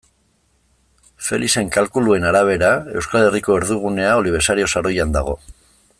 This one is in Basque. Felixen kalkuluen arabera, Euskal Herriko erdigunean Olibesario saroian dago.